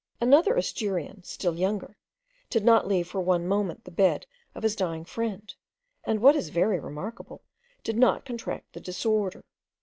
Another Asturian, still younger, did not leave for one moment the bed of his dying friend; and, what is very remarkable, did not contract the disorder.